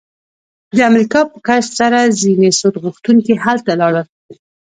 د امریکا په کشف سره ځینې سود غوښتونکي هلته لاړل